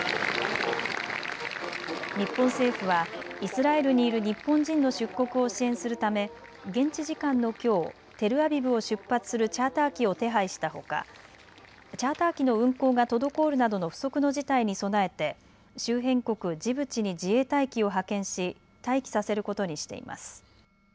日本政府はイスラエルにいる日本人の出国を支援するため現地時間のきょう、テルアビブを出発するチャーター機を手配したほか、チャーター機の運航が滞るなどの不測の事態に備えて周辺国ジブチに自衛隊機を派遣し待機させることにしています。